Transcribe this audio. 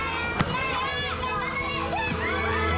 ・・頑張れ！